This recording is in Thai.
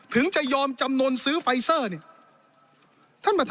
ถึงจะยอมจำนวนซื้อไฟเซอร์